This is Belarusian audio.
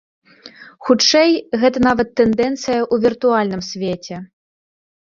Хутчэй, гэта нават тэндэнцыя ў віртуальным свеце.